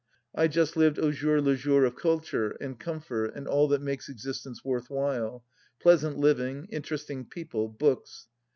I just lived aujour lejour of culture, and comfort, and all that makes existence worth while — pleasant living, interesting people, books.